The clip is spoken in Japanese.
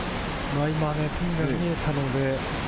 ピンが見えたので。